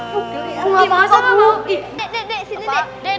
bu gak masak apaan